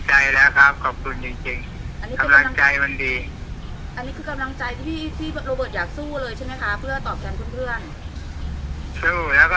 ปุ่นนี่ก็คำลังใจที่ลวดมาสู้เลยนะคะ